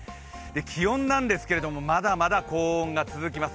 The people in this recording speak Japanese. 気温なんですけれども、まだまだ高温が続きます。